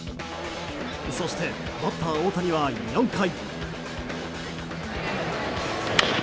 そして、バッター大谷は４回。